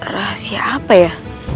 rahasia apa ya